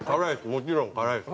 もちろん辛いです。